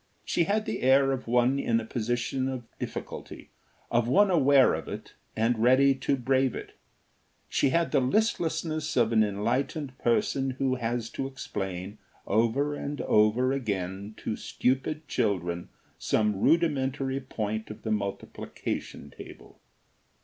She had the air of one in a position of difficulty; of one aware of it and ready to brave it. She had the listlessness of an enlightened person who has to explain, over and over again, to stupid children some rudimentary point of the multiplication table.